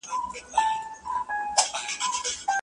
موږ په مطالعه کولو بوخت یو.